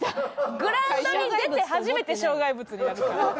グラウンドに出て初めて障害物になるから。